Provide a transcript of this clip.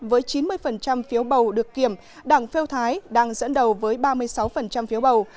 với chín mươi phiếu bầu được kiểm đảng pheo thái đang dẫn đầu với ba mươi sáu phiếu bầu